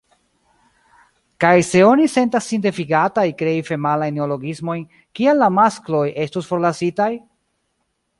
Kaj se oni sentas sin devigataj krei femalajn neologismojn, kial la maskloj estus forlasitaj?